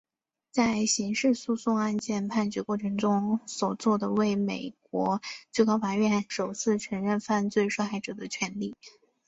在刑事诉讼案件判决过程所做的为美国最高法院首次承认犯罪受害者的权利。